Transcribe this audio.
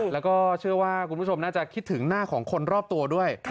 แล้วก็เชื่อว่าคุณผู้ชมน่าจะคิดถึงหน้าของคนรอบตัวด้วย